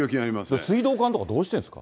水道管とかどうしてるんですか。